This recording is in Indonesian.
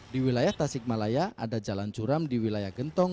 di wilayah tasikmalaya ada jalan curam di wilayah gentong